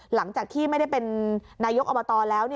หลังจากที่ไม่ได้เป็นนายกอบตแล้ว